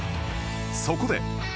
そこで